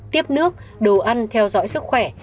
tiếp nước đồ ăn theo dõi sức khỏe